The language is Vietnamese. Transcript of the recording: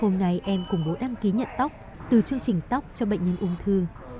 hôm nay em củng bố đăng ký nhận tóc từ chương trình tóc cho bệnh nhân ung thư